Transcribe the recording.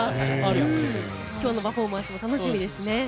今日のパフォーマンスも楽しみですね。